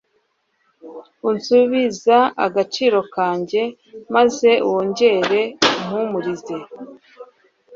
uzansubiza agaciro kanjye, maze wongere umpumurize